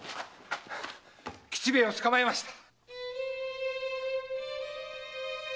吉兵衛を捕まえました！